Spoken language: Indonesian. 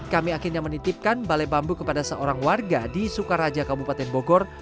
kami akhirnya menitipkan balai bambu kepada seorang warga di sukaraja kabupaten bogor